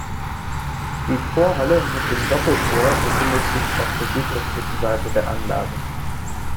Die Torhalle mit dem Doppeltor befindet sich auf der südöstlichen Seite der Anlage.